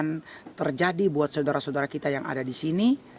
peristiwa itu jangan terjadi buat saudara saudara kita yang ada di sini